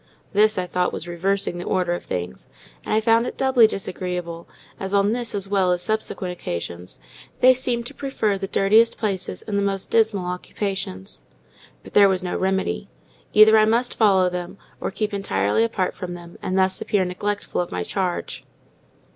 This, I thought, was reversing the order of things; and I found it doubly disagreeable, as on this as well as subsequent occasions, they seemed to prefer the dirtiest places and the most dismal occupations. But there was no remedy; either I must follow them, or keep entirely apart from them, and thus appear neglectful of my charge.